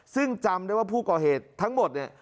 ซึ่งจำได้ว่าผู้ก่อเหตุทั้งหมดเนี่ย